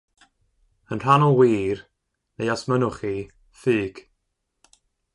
Yn rhannol wir, neu os mynnwch chi, ffug